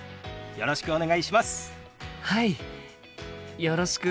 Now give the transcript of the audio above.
よろしくお願いします。